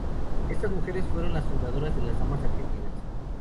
Estas mujeres fueron las fundadoras de las Damas Argentinas.